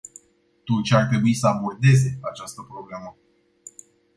Turcia ar trebui să abordeze această problemă.